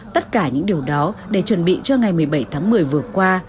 tất cả những điều đó để chuẩn bị cho ngày một mươi bảy tháng một mươi vừa qua